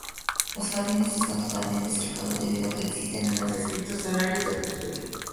Los jardines están totalmente cercados debido a que existen unos estrictos horarios de apertura.